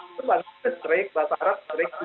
itu bahasa arab sering bahasa arab sering